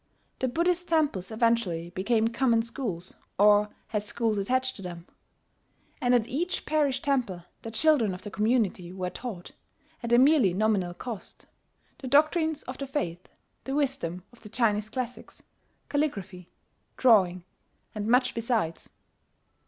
The Buddhist temples eventually became common schools, or had schools attached to them; and at each parish temple the children of the community were taught, at a merely nominal cost, the doctrines of the faith, the wisdom of the Chinese classics, calligraphy, drawing, and much besides.